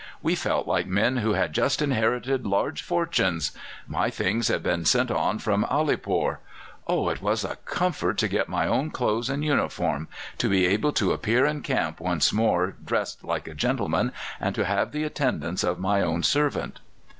"We felt like men who had just inherited large fortunes! My things had been sent on from Alipore. Oh! it was a comfort to get my own clothes and uniform, to be able to appear in camp once more dressed like a gentleman, and to have the attendance of my own servant."